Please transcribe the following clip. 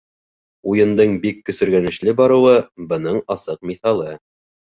Уйындың бик көсөргәнешле барыуы — бының асыҡ миҫалы.